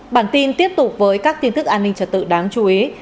bản tin tiếp tục với các tin tức an ninh trật tự đáng chú ý